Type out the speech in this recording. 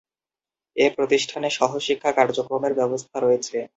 এ প্রতিষ্ঠানে সহ-শিক্ষা কার্যক্রমের ব্যবস্থা রয়েছে।